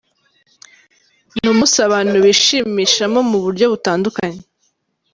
Ni umunsi abantu bishimishamo mu buryo butandukanye.